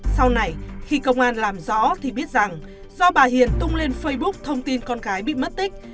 sau này khi công an làm rõ thì biết rằng do bà hiền tung lên facebook thông tin con gái bị mất tích